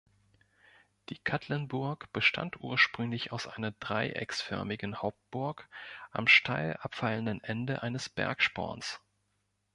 Die Katlenburg bestand ursprünglich aus einer dreiecksförmigen Hauptburg am steil abfallenden Ende eines Bergsporns.